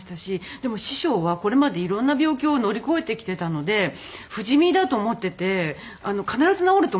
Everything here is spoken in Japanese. でも師匠はこれまで色んな病気を乗り越えてきてたので不死身だと思ってて必ず治ると思ってたんですよ。